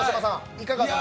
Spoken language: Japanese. いかがでしたか？